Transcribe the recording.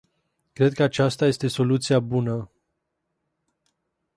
Cred că aceasta este soluția bună.